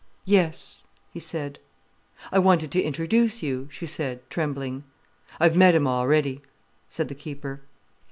"Yes," he said. "I wanted to introduce you," she said, trembling. "I've met him a'ready," said the keeper.